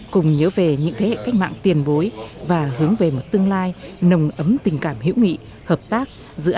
cùng nhớ về những thế hệ khác